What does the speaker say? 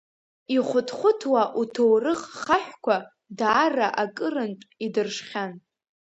Ихәыҭхәыҭуа уҭоурых хаҳәқәа, даара акырынтә идыршхьан.